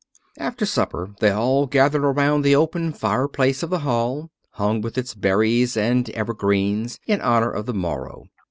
After supper they all gathered around the open fireplace of the hall, hung with its berries and evergreens in honour of the morrow.